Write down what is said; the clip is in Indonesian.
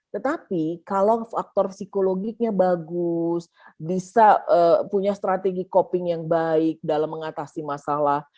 tetapi kalau faktor psikologiknya bagus bisa punya strategi coping yang baik dalam mengatasi masalah